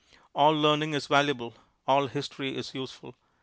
All learning is valuable; all history is useful.